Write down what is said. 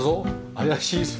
怪しいぞ。